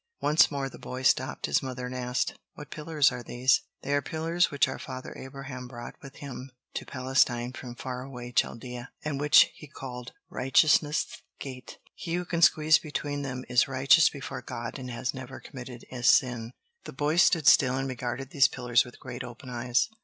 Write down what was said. Once more the boy stopped his mother and asked: "What pillars are these?" "They are pillars which our father Abraham brought with him to Palestine from far away Chaldea, and which he called Righteousness' Gate. He who can squeeze between them is righteous before God and has never committed a sin." The boy stood still and regarded these pillars with great, open eyes.